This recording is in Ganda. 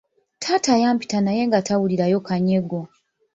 Taata yampita naye nga tawulirayo kanyego.